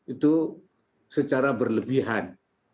itu secara berlebihan